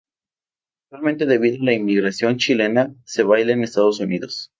Actualmente debido a la inmigración chilena se baila en Estados Unidos.